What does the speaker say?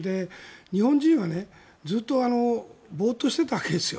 日本人はずっとボーッとしてたわけですよ。